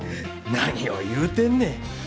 何を言うてんねん。